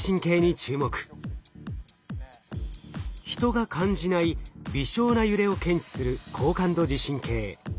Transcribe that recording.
人が感じない微小な揺れを検知する高感度地震計。